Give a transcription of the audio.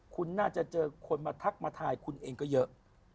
คุณน่าจะเจอคนมาทักมาทายคุณเองก็เยอะ